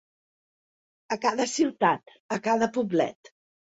A cada ciutat, a cada poblet.